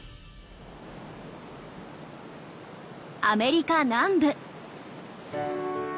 アメリカ南部。